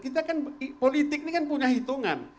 kita kan politik ini kan punya hitungan